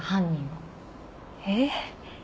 えっ。